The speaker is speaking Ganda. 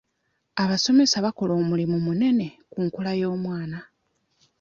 Abasomesa bakola omulimu munene ku nkula y'omwana.